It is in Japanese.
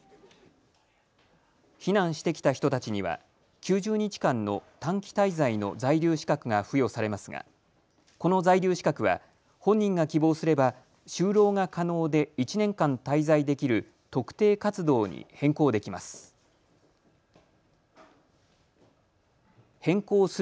避難してきた人たちには９０日間の短期滞在の在留資格が付与されますがこの在留資格は本人が希望すれば就労が可能で１年間滞在できる特定活動に変更できます。